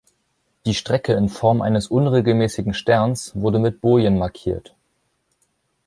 Die Strecke in Form eines unregelmäßigen Sterns wurde mit Bojen markiert.